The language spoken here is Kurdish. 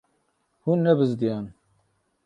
Hûn nebizdiyan.